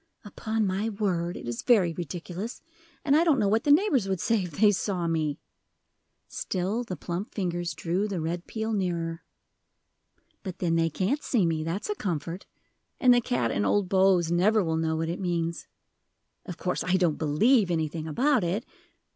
"Upon my word, it is very ridiculous, and I don't know what the neighbors would say if they saw me." Still the plump fingers drew the red peel nearer. "But then they can't see me, that's a comfort; and the cat and old Bose never will know what it means. Of course I don't believe anything about it."